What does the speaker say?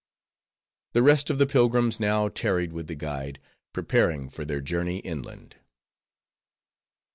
The rest of the pilgrims now tarried with the guide, preparing for their journey inland.